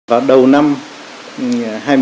vào đầu năm